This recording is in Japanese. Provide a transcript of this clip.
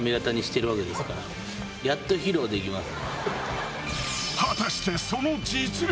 やっと披露できます。